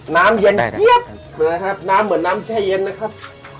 น้ำเย็นเย็บน้ำเหมือนน้ำใช้เย็นนะครับ